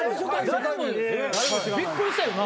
びっくりしたよな。